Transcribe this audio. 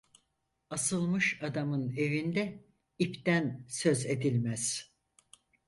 Asılmış adamın evinde ipten söz edilmez.